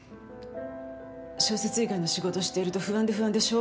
小説以外の仕事していると不安で不安でしょうがないの。